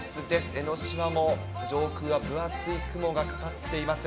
江の島も上空は分厚い雲がかかっています。